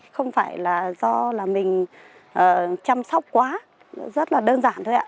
không phải là do là mình chăm sóc quá rất là đơn giản thôi ạ